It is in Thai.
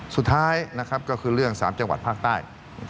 สุดท้ายก็คือเรื่องสามจังหวัดภาคใต้